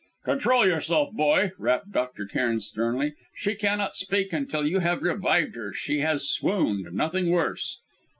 "Control yourself, boy," rapped Dr. Cairn, sternly; "she cannot speak until you have revived her! She has swooned nothing worse."